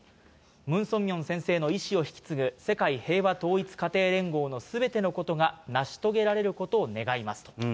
ムン・ソンミョン先生の遺志を引き継ぐ世界平和統一家庭連合のすべてのことが成し遂げられることを願います。